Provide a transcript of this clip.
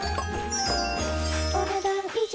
お、ねだん以上。